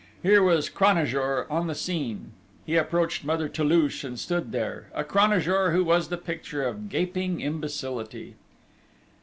Here was Cranajour on the scene! He approached Mother Toulouche and stood there a Cranajour who was the picture of gaping imbecility!